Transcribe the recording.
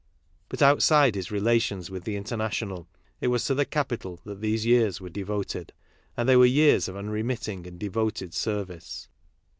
But outside^ his rela tions with the international, it was to the Capital that these years were devoted. And they were years of un remitting and devoted service.